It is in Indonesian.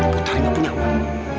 putari gak punya uang